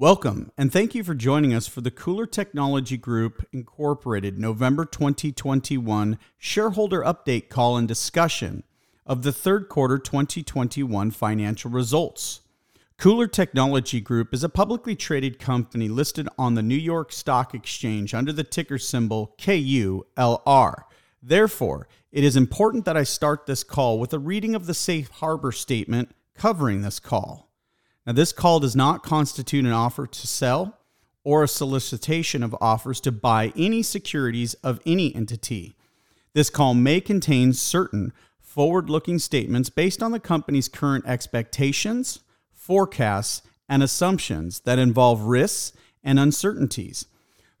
Welcome and thank you for joining us for the KULR Technology Group Incorporated November 2021 shareholder update call and discussion of the third quarter 2021 financial results. KULR Technology Group is a publicly traded company listed on the New York Stock Exchange under the ticker symbol KULR. Therefore, it is important that I start this call with a reading of the Safe Harbor statement covering this call. This call does not constitute an offer to sell or a solicitation of offers to buy any securities of any entity. This call may contain certain forward-looking statements based on the company's current expectations, forecasts and assumptions that involve risks and uncertainties.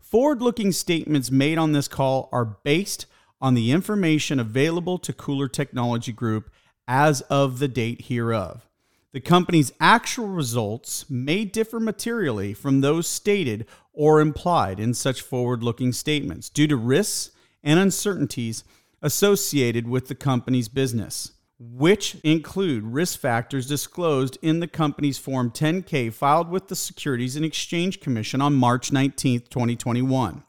Forward-looking statements made on this call are based on the information available to KULR Technology Group as of the date hereof. The company's actual results may differ materially from those stated or implied in such forward-looking statements due to risks and uncertainties associated with the company's business, which include risk factors disclosed in the company's Form 10-K filed with the Securities and Exchange Commission on March 19, 2021.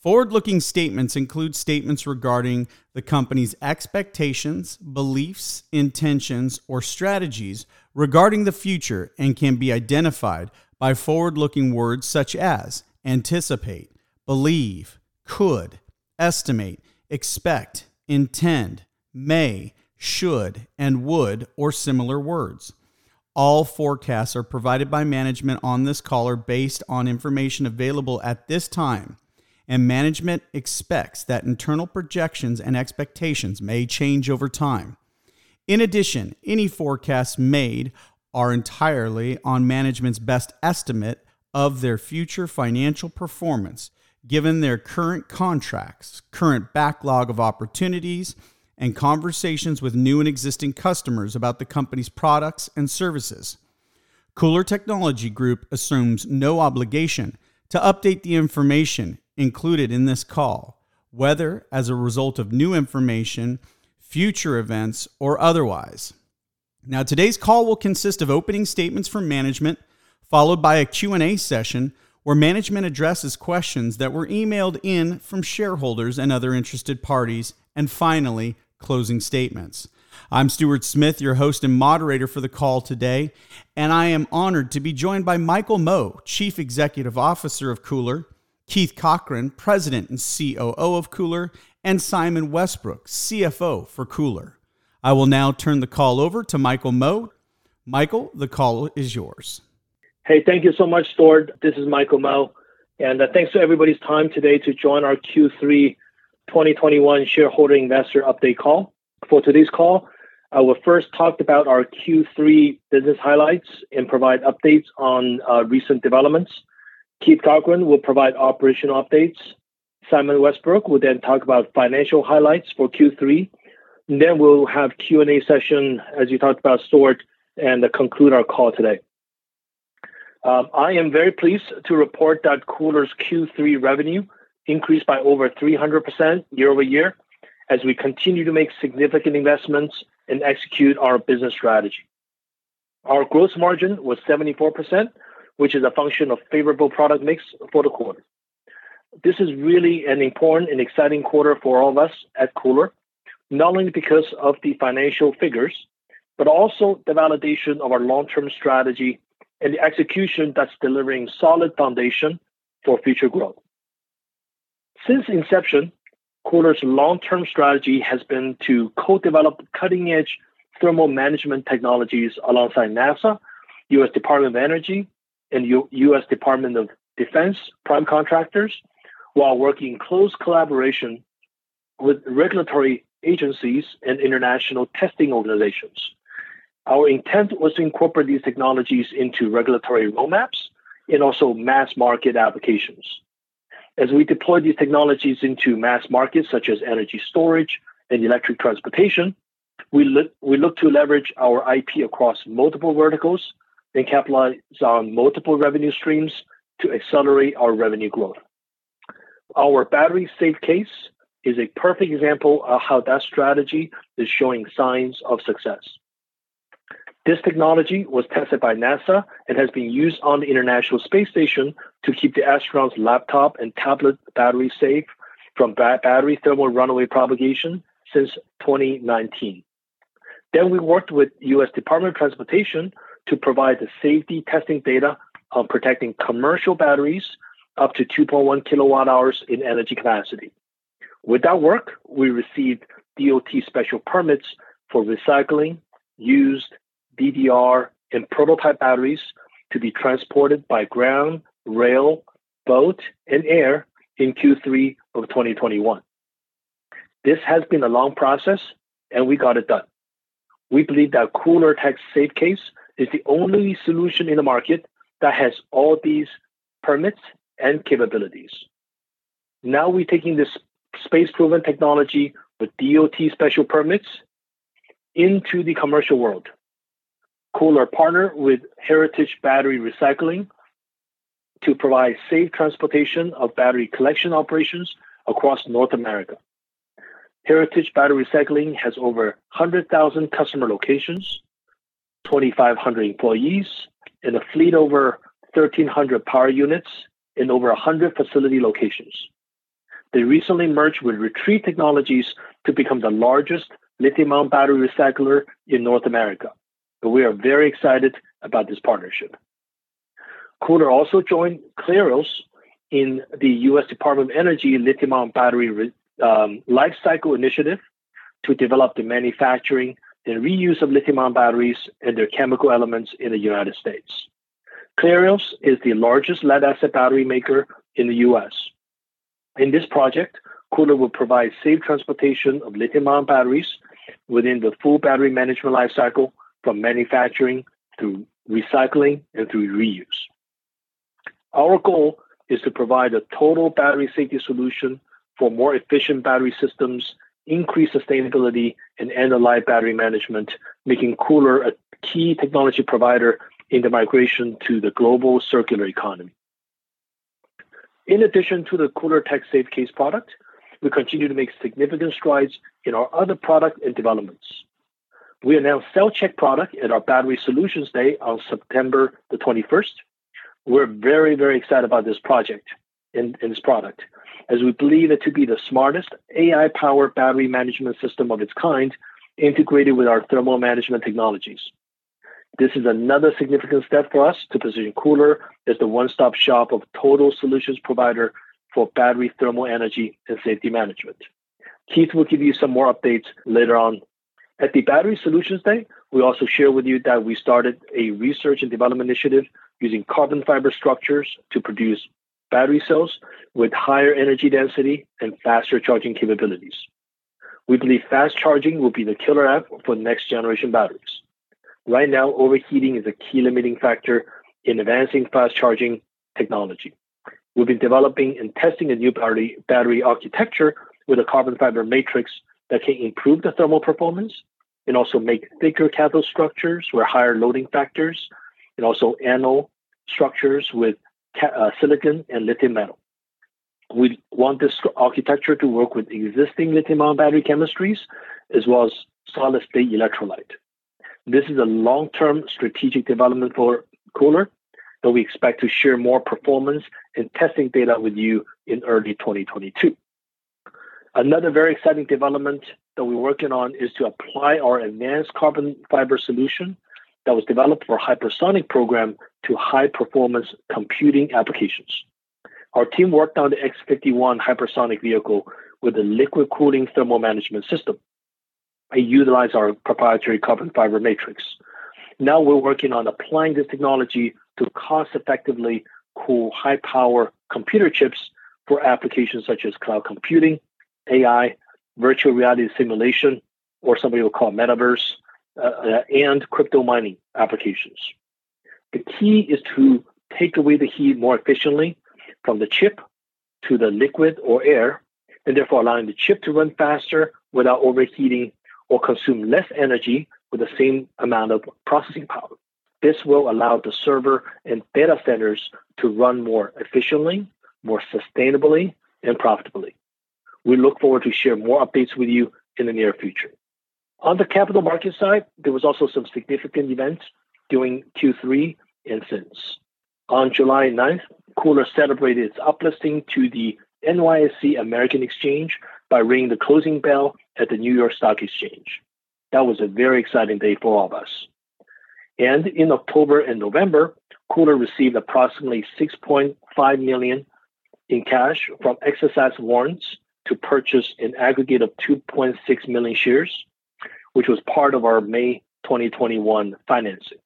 Forward-looking statements include statements regarding the company's expectations, beliefs, intentions or strategies regarding the future and can be identified by forward-looking words such as anticipate, believe, could, estimate, expect, intend, may, should and would or similar words. All forecasts are provided by management on this call based on information available at this time and management expects that internal projections and expectations may change over time. In addition, any forecasts made are entirely on management's best estimate of their future financial performance, given their current contracts, current backlog of opportunities and conversations with new and existing customers about the company's products and services. KULR Technology Group assumes no obligation to update the information included in this call, whether as a result of new information, future events or otherwise. Now, today's call will consist of opening statements from management, followed by a Q&A session where management addresses questions that were emailed in from shareholders and other interested parties and finally, closing statements. I'm Stuart Smith, your host and moderator for the call today and I am honored to be joined by Michael Mo, Chief Executive Officer of KULR Technology Group, Keith Cochran, President and COO of KULR Technology Group and Simon Westbrook, CFO for KULR Technology Group. I will now turn the call over to Michael Mo. Michael, the call is yours. Hey, thank you so much, Stuart. This is Michael Mo and thanks for everybody's time today to join our Q3 2021 shareholder investor update call. For today's call, I will first talk about our Q3 business highlights and provide updates on recent developments. Keith Cochran will provide operational updates. Simon Westbrook will then talk about financial highlights for Q3 and then we'll have Q&A session, as you talked about, Stuart and conclude our call today. I am very pleased to report that KULR's Q3 revenue increased by over 300% year-over-year as we continue to make significant investments and execute our business strategy. Our gross margin was 74%, which is a function of favorable product mix for the quarter. This is really an important and exciting quarter for all of us at KULR, not only because of the financial figures but also the validation of our long-term strategy and the execution that's delivering solid foundation for future growth. Since inception, KULR's long-term strategy has been to co-develop cutting-edge thermal management technologies alongside NASA, U.S. Department of Energy and U.S. Department of Defense prime contractors while working in close collaboration with regulatory agencies and international testing organizations. Our intent was to incorporate these technologies into regulatory roadmaps and also mass market applications. As we deploy these technologies into mass markets such as energy storage and electric transportation, we look to leverage our IP across multiple verticals and capitalize on multiple revenue streams to accelerate our revenue growth. Our battery SafeCASE is a perfect example of how that strategy is showing signs of success. This technology was tested by NASA and has been used on the International Space Station to keep the astronauts' laptop and tablet battery safe from battery thermal runaway propagation since 2019. We worked with U.S. Department of Transportation to provide the safety testing data on protecting commercial batteries up to 2.1 kWh in energy capacity. With that work, we received DOT special permits for recycling used DDR and prototype batteries to be transported by ground, rail, boat and air in Q3 of 2021. This has been a long process and we got it done. We believe that KULR-Tech SafeCASE is the only solution in the market that has all these permits and capabilities. Now, we're taking this space-proven technology with DOT special permits into the commercial world. KULR partnered with Heritage Battery Recycling to provide safe transportation of battery collection operations across North America. Heritage Battery Recycling has over 100,000 customer locations, 2,500 employees and a fleet over 1,300 power units in over 100 facility locations. They recently merged with Retriev Technologies to become the largest lithium-ion battery recycler in North America. We are very excited about this partnership. KULR also joined Clarios in the U.S. Department of Energy Lithium-ion Battery Life Cycle Initiative to develop the manufacturing and reuse of lithium-ion batteries and their chemical elements in the United States. Clarios is the largest lead-acid battery maker in the U.S. In this project, KULR will provide safe transportation of lithium-ion batteries within the full battery management life cycle from manufacturing to recycling and to reuse. Our goal is to provide a total battery safety solution for more efficient battery systems, increase sustainability and end-of-life battery management, making KULR a key technology provider in the migration to the global circular economy. In addition to the KULR-Tech SafeCASE product, we continue to make significant strides in our other product and developments. We announced CellCheck product at our Battery Solutions Day on September 21. We're very, very excited about this project and this product, as we believe it to be the smartest AI-powered battery management system of its kind, integrated with our thermal management technologies. This is another significant step for us to position KULR as the one-stop shop of total solutions provider for battery thermal energy and safety management. Keith will give you some more updates later on. At the Battery Solutions Day, we also share with you that we started a research and development initiative using carbon fiber structures to produce battery cells with higher energy density and faster charging capabilities. We believe fast charging will be the killer app for next-generation batteries. Right now, overheating is a key limiting factor in advancing fast charging technology. We've been developing and testing a new battery architecture with a carbon fiber matrix that can improve the thermal performance and also make thicker cathode structures for higher loading factors and also anode structures with silicon and lithium metal. We want this architecture to work with existing lithium-ion battery chemistries as well as solid-state electrolyte. This is a long-term strategic development for KULR, that we expect to share more performance and testing data with you in early 2022. Another very exciting development that we're working on is to apply our advanced carbon fiber solution that was developed for hypersonic program to high-performance computing applications. Our team worked on the X-51 hypersonic vehicle with a liquid cooling thermal management system. They utilized our proprietary carbon fiber matrix. Now we're working on applying this technology to cost-effectively cool high-power computer chips for applications such as cloud computing, AI, virtual reality simulation or some people call it metaverse and crypto mining applications. The key is to take away the heat more efficiently from the chip to the liquid or air and therefore allowing the chip to run faster without overheating or consume less energy with the same amount of processing power. This will allow the server and data centers to run more efficiently, more sustainably and profitably. We look forward to share more updates with you in the near future. On the capital market side, there was also some significant events during Q3 and since. On July 9, KULR celebrated its uplisting to the NYSE American by ringing the closing bell at the New York Stock Exchange. That was a very exciting day for all of us. In October and November, KULR received approximately $6.5 million in cash from exercised warrants to purchase an aggregate of 2.6 million shares, which was part of our May 2021 financing.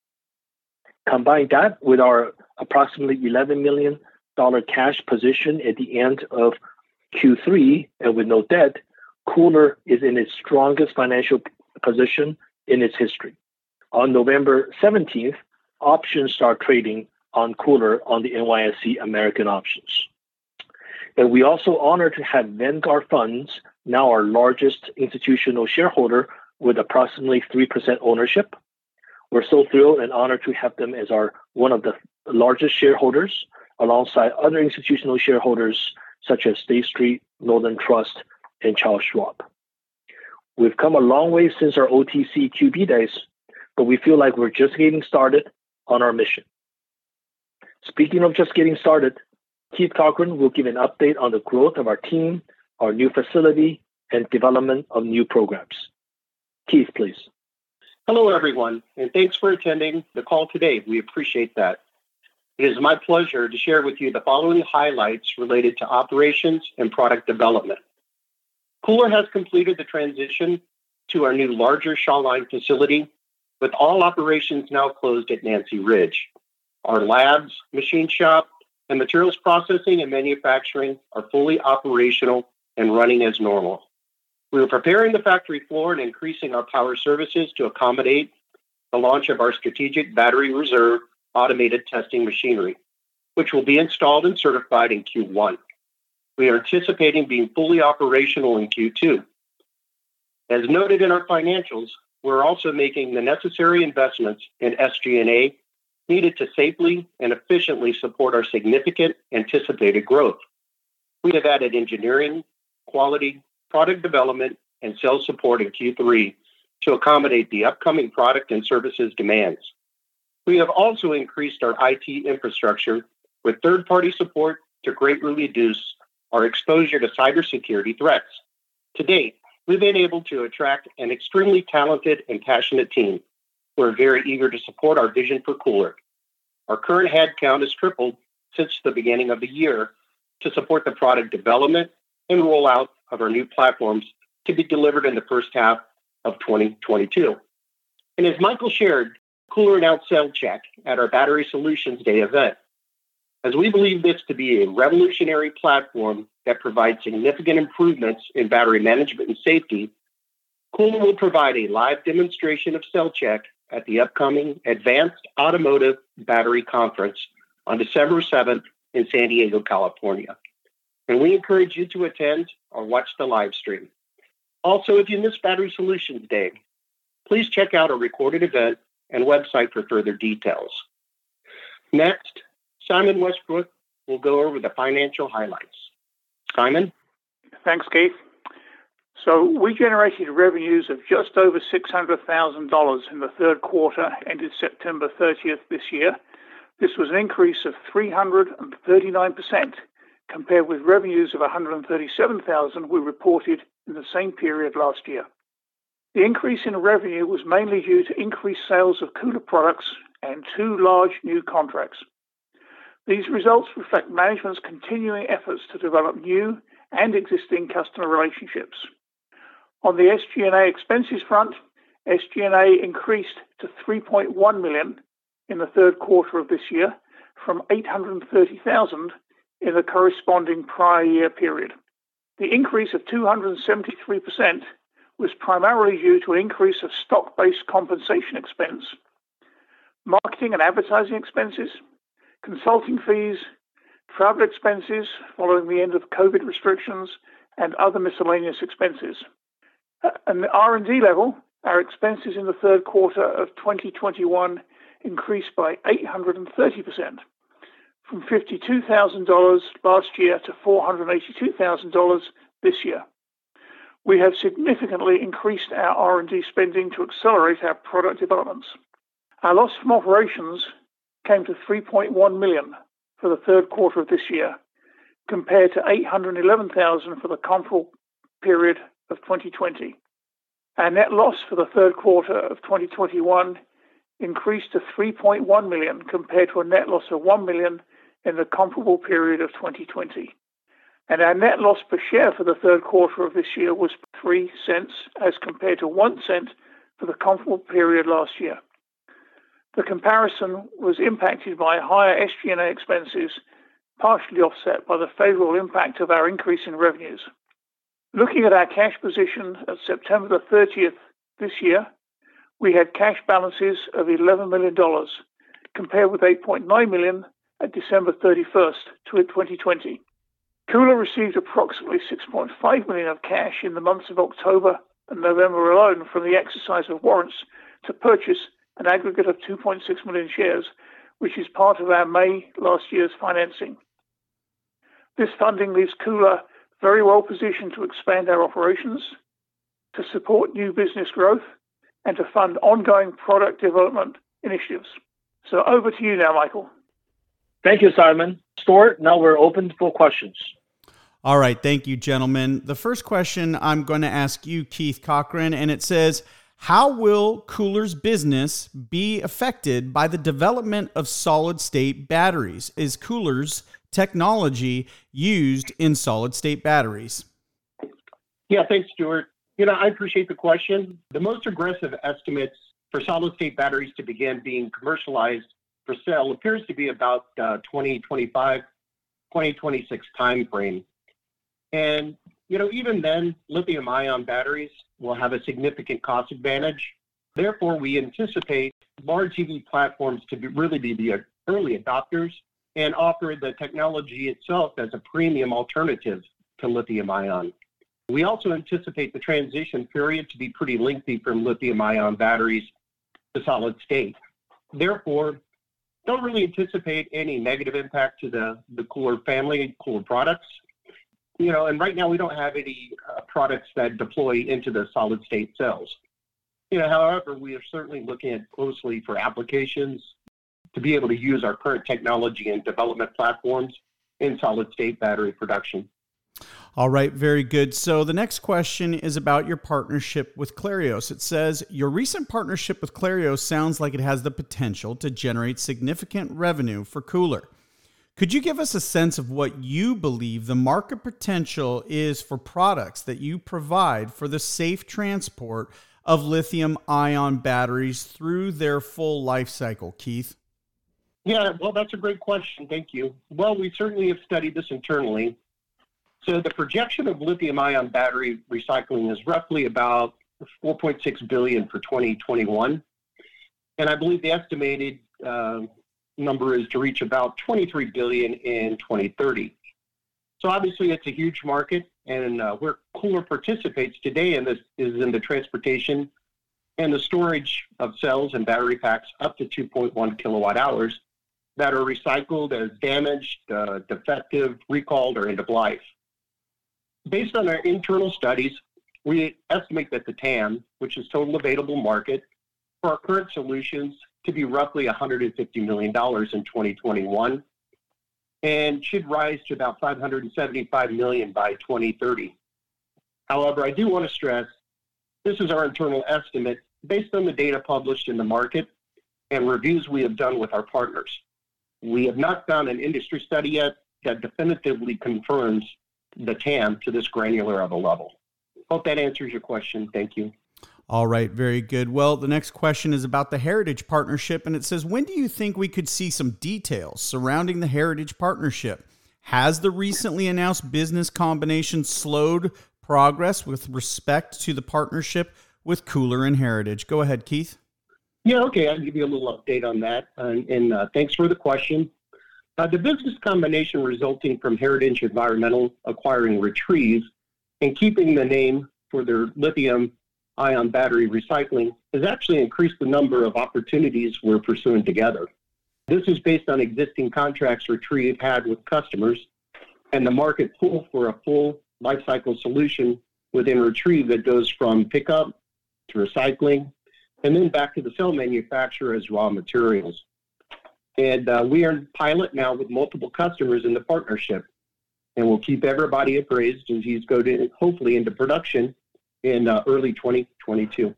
Combine that with our approximately $11 million cash position at the end of Q3 and with no debt, KULR is in its strongest financial position in its history. On November 17, options started trading on KULR on the NYSE American Options. We are also honored to have The Vanguard Group, now our largest institutional shareholder, with approximately 3% ownership. We're so thrilled and honored to have them as our one of the largest shareholders, alongside other institutional shareholders such as State Street, Northern Trust and Charles Schwab. We've come a long way since our OTCQB days but we feel like we're just getting started on our mission. Speaking of just getting started, Keith Cochran will give an update on the growth of our team, our new facility and development of new programs. Keith, please. Hello, everyone and thanks for attending the call today. We appreciate that. It is my pleasure to share with you the following highlights related to operations and product development. KULR has completed the transition to our new larger Shawline Street facility, with all operations now closed at Nancy Ridge Drive. Our labs, machine shop and materials processing and manufacturing are fully operational and running as normal. We are preparing the factory floor and increasing our power services to accommodate the launch of our Strategic Battery Reserve automated testing machinery, which will be installed and certified in Q1. We are anticipating being fully operational in Q2. As noted in our financials, we're also making the necessary investments in SG&A needed to safely and efficiently support our significant anticipated growth. We have added engineering, quality, product development and sales support in Q3 to accommodate the upcoming product and services demands. We have also increased our IT infrastructure with third-party support to greatly reduce our exposure to cybersecurity threats. To date, we've been able to attract an extremely talented and passionate team who are very eager to support our vision for KULR. Our current head count has tripled since the beginning of the year to support the product development and rollout of our new platforms to be delivered in the first half of 2022. As Michael shared, KULR announced CellCheck at our Battery Solutions Day event. As we believe this to be a revolutionary platform that provides significant improvements in battery management and safety, KULR will provide a live demonstration of CellCheck at the upcoming Advanced Automotive Battery Conference on December seventh in San Diego, California. We encourage you to attend or watch the live stream. Also, if you missed Battery Solutions Day, please check out our recorded event and website for further details. Next, Simon Westbrook will go over the financial highlights. Simon? Thanks, Keith. We generated revenues of just over $600,000 in the third quarter, ending September 30th this year. This was an increase of 339% compared with revenues of $137,000 we reported in the same period last year. The increase in revenue was mainly due to increased sales of KULR products and two large new contracts. These results reflect management's continuing efforts to develop new and existing customer relationships. On the SG&A expenses front, SG&A increased to $3.1 million in the third quarter of this year from $830,000 in the corresponding prior year period. The increase of 273% was primarily due to an increase of stock-based compensation expense, marketing and advertising expenses, consulting fees, travel expenses following the end of COVID restrictions and other miscellaneous expenses. At the R&D level, our expenses in the third quarter of 2021 increased by 830%, from $52,000 last year to $482,000 this year. We have significantly increased our R&D spending to accelerate our product developments. Our loss from operations came to $3.1 million for the third quarter of this year, compared to $811,000 for the comparable period of 2020. Our net loss for the third quarter of 2021 increased to $3.1 million, compared to a net loss of $1 million in the comparable period of 2020. Our net loss per share for the third quarter of this year was $0.03 as compared to $0.01 for the comparable period last year. The comparison was impacted by higher SG&A expenses, partially offset by the favorable impact of our increase in revenues. Looking at our cash position at September 30 this year, we had cash balances of $11 million, compared with $8.9 million at December 31, 2020. KULR received approximately $6.5 million of cash in the months of October and November alone from the exercise of warrants to purchase an aggregate of 2.6 million shares, which is part of our May last year's financing. This funding leaves KULR very well positioned to expand our operations, to support new business growth and to fund ongoing product development initiatives. Over to you now, Michael. Thank you, Simon. Stuart, now we're open for questions. All right. Thank you, gentlemen. The first question I'm gonna ask you, Keith Cochran and it says how will KULR's business be affected by the development of solid-state batteries? Is KULR's technology used in solid-state batteries? Yeah. Thanks, Stuart. You know, I appreciate the question. The most aggressive estimates for solid-state batteries to begin being commercialized for sale appears to be about 2025, 2026 timeframe. You know, even then, lithium-ion batteries will have a significant cost advantage. Therefore, we anticipate large EV platforms to be really the early adopters and offer the technology itself as a premium alternative to lithium-ion. We also anticipate the transition period to be pretty lengthy from lithium-ion batteries to solid-state. Therefore, don't really anticipate any negative impact to the KULR family, KULR products. You know and right now we don't have any products that deploy into the solid-state cells. You know, however, we are certainly looking at closely for applications to be able to use our current technology and development platforms in solid-state battery production. All right. Very good. So the next question is about your partnership with Clarios. It says your recent partnership with Clarios sounds like it has the potential to generate significant revenue for KULR. Could you give us a sense of what you believe the market potential is for products that you provide for the safe transport of lithium-ion batteries through their full life cycle? Keith? Yeah. Well, that's a great question. Thank you. Well, we certainly have studied this internally. The projection of lithium-ion battery recycling is roughly about $4.6 billion for 2021. And I believe the estimated number is to reach about $23 billion in 2030. Obviously it's a huge market and where KULR participates today in this is in the transportation and the storage of cells and battery packs up to 2.1 kilowatt hours that are recycled or damaged, defective, recalled or end of life. Based on our internal studies, we estimate that the TAM, which is total available market, for our current solutions to be roughly $150 million in 2021 and should rise to about $575 million by 2030. However, I do wanna stress this is our internal estimate based on the data published in the market and reviews we have done with our partners. We have not done an industry study yet that definitively confirms the TAM to this granular of a level. Hope that answers your question. Thank you. All right. Very good. Well, the next question is about the Heritage partnership and it says when do you think we could see some details surrounding the Heritage partnership? Has the recently announced business combination slowed progress with respect to the partnership with KULR and Heritage? Go ahead, Keith. Yeah, okay. I'll give you a little update on that and thanks for the question. The business combination resulting from Heritage Environmental acquiring Retriev and keeping the name for their lithium-ion battery recycling has actually increased the number of opportunities we're pursuing together. This is based on existing contracts Retriev had with customers and the market pull for a full life cycle solution within Retriev that goes from pickup to recycling and then back to the cell manufacturer as raw materials. We are in pilot now with multiple customers in the partnership and we'll keep everybody apprise as these go to, hopefully into production in early 2022.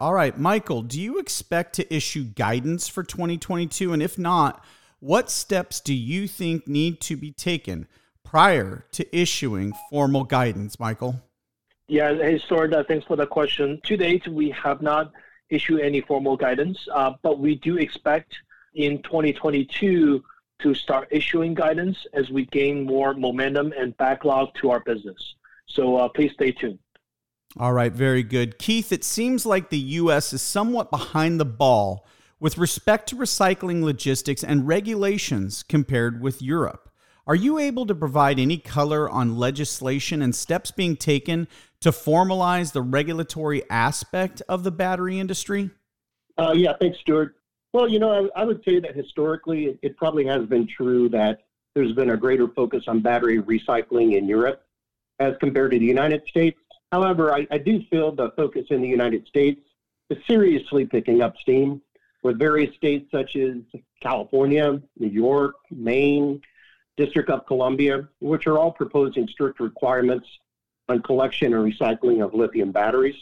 All right. Michael, do you expect to issue guidance for 2022 and if not, what steps do you think need to be taken prior to issuing formal guidance, Michael? Hey, Stuart. Thanks for the question. To date, we have not issued any formal guidance but we do expect in 2022 to start issuing guidance as we gain more momentum and backlog to our business. Please stay tuned. All right. Very good. Keith, it seems like the U.S. is somewhat behind the ball with respect to recycling logistics and regulations compared with Europe. Are you able to provide any color on legislation and steps being taken to formalize the regulatory aspect of the battery industry? Yeah. Thanks, Stuart. Well, you know, I would say that historically it probably has been true that there's been a greater focus on battery recycling in Europe as compared to the United States. However, I do feel the focus in the United States is seriously picking up steam with various states such as California, New York, Maine, District of Columbia, which are all proposing strict requirements on collection and recycling of lithium batteries.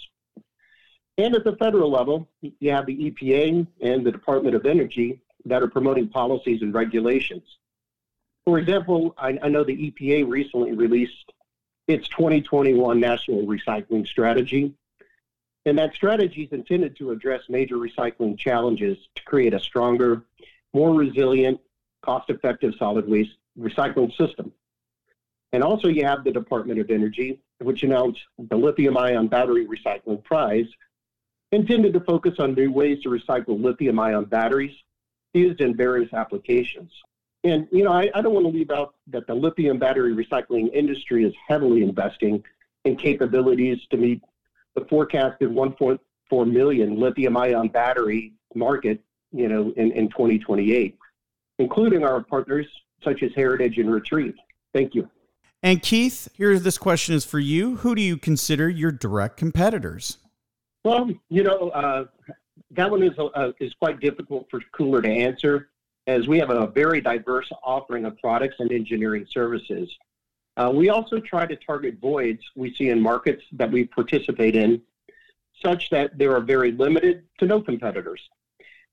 At the federal level, you have the EPA and the Department of Energy that are promoting policies and regulations. For example, I know the EPA recently released its 2021 National Recycling Strategy and that strategy is intended to address major recycling challenges to create a stronger, more resilient, cost-effective solid waste recycling system. Also you have the U.S. Department of Energy, which announced the Lithium-Ion Battery Recycling Prize, intended to focus on new ways to recycle lithium-ion batteries used in various applications. You know, I don't wanna leave out that the lithium battery recycling industry is heavily investing in capabilities to meet the forecasted 1.4 million lithium-ion battery market, you know, in 2028, including our partners such as Heritage and Retriev. Thank you. Keith, here, this question is for you. Who do you consider your direct competitors? Well, you know, that one is quite difficult for KULR to answer as we have a very diverse offering of products and engineering services. We also try to target voids we see in markets that we participate in, such that there are very limited to no competitors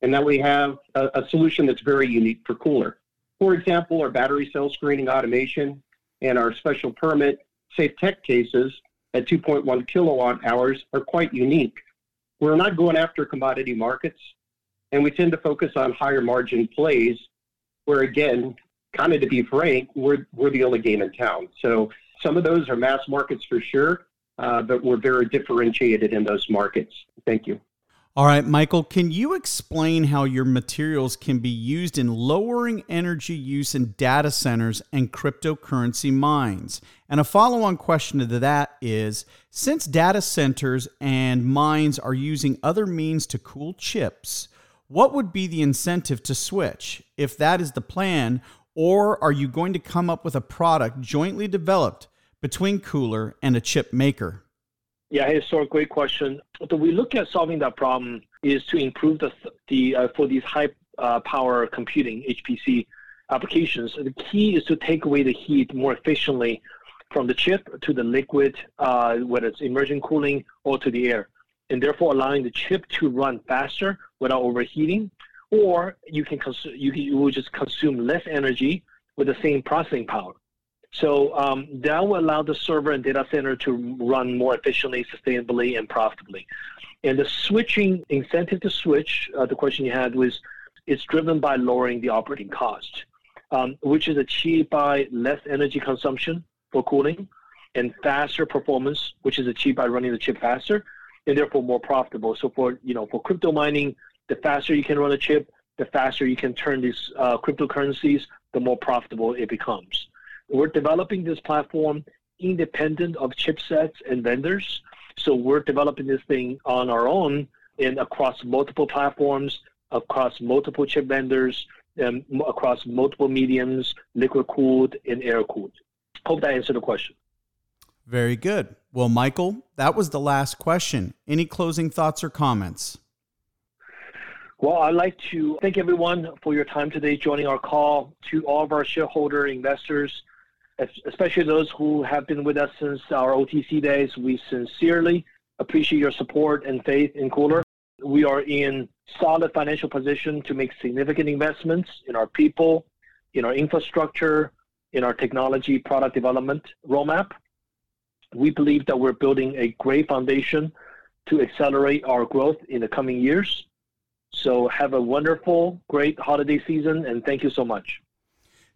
and that we have a solution that's very unique for KULR. For example, our battery cell screening automation and our special permit SafeCASE at 2.1 kilowatt hours are quite unique. We're not going after commodity markets and we tend to focus on higher margin plays where, again, kinda to be frank, we're the only game in town. Some of those are mass markets for sure but we're very differentiated in those markets. Thank you. All right. Michael, can you explain how your materials can be used in lowering energy use in data centers and cryptocurrency mines? A follow-on question to that is, since data centers and mines are using other means to cool chips, what would be the incentive to switch if that is the plan or are you going to come up with a product jointly developed between KULR and a chip maker? Yeah. Hey, Stuart. Great question. The way we look at solving that problem is to improve the transfer for these high-performance computing, HPC applications. The key is to take away the heat more efficiently from the chip to the liquid, whether it's immersion cooling or to the air and therefore allowing the chip to run faster without overheating or it will just consume less energy with the same processing power. That will allow the server and data center to run more efficiently, sustainably and profitably. The incentive to switch, the question you had was, it's driven by lowering the operating cost, which is achieved by less energy consumption for cooling and faster performance, which is achieved by running the chip faster and therefore more profitable. For crypto mining, you know, the faster you can run a chip, the faster you can turn these cryptocurrencies, the more profitable it becomes. We're developing this platform independent of chipsets and vendors, so we're developing this thing on our own and across multiple platforms, across multiple chip vendors, across multiple mediums, liquid cooled and air cooled. Hope that answered the question. Very good. Well, Michael, that was the last question. Any closing thoughts or comments? Well, I'd like to thank everyone for your time today joining our call. To all of our shareholder investors, especially those who have been with us since our OTC days, we sincerely appreciate your support and faith in KULR. We are in solid financial position to make significant investments in our people, in our infrastructure, in our technology product development roadmap. We believe that we're building a great foundation to accelerate our growth in the coming years. Have a wonderful great holiday season and thank you so much.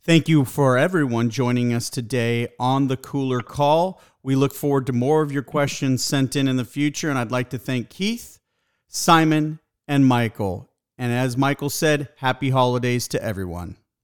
Thank you for everyone joining us today on the KULR Call. We look forward to more of your questions sent in in the future and I'd like to thank Keith, Simon and Michael. As Michael said, happy holidays to everyone.